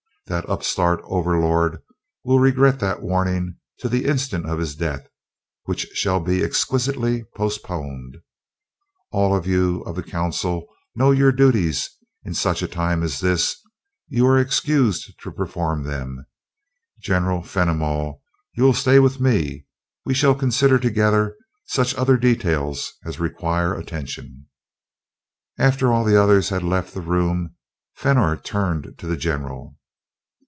That upstart Overlord will regret that warning to the instant of his death, which shall be exquisitely postponed. All you of the Council know your duties in such a time as this you are excused to perform them. General Fenimol, you will stay with me we shall consider together such other details as require attention." After the others had left the room Fenor turned to the general.